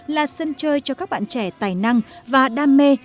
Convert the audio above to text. là sân chơi cho các bạn trẻ tài năng và đam mê